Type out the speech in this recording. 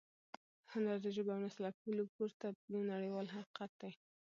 هنر د ژبې او نسل له پولو پورته یو نړیوال حقیقت دی.